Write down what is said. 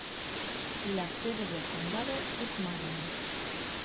La sede del condado es Marion.